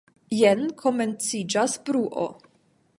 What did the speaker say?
Jen komenciĝas bruo.